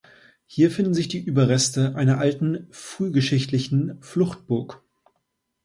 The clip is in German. Hier finden sich die Überreste einer alten frühgeschichtlichen Fluchtburg.